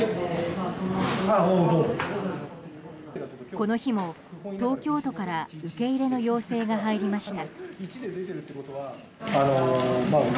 この日も東京都から受け入れの要請が入りました。